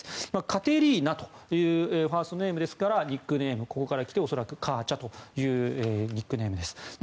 カテリーナというファーストネームですからニックネームはここから来てカーチャというニックネームです。